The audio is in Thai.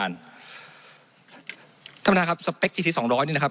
มันตรวจหาได้ระยะไกลตั้ง๗๐๐เมตรครับ